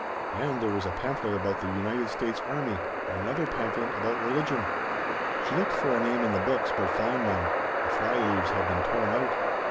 And there was a pamphlet about the United States Army, and another pamphlet about religion. She looked for a name in the books, but found none. The fly leaves had been torn out.